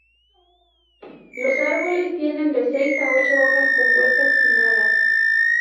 Los árboles tienen de seis a ocho hojas compuestas pinnadas.